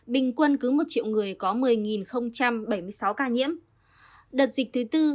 bình quân cứ một triệu người có một mươi không trăm